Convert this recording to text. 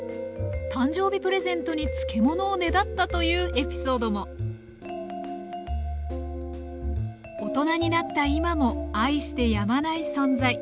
誕生日プレゼントに漬物をねだったというエピソードも大人になった今も愛してやまない存在。